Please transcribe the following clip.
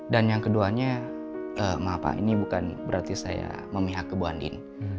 dan yang keduanya maaf pak ini bukan berarti saya memihak ke bu andin